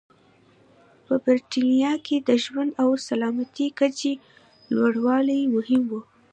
په برېټانیا کې د ژوند او سلامتیا کچې لوړول مهم و.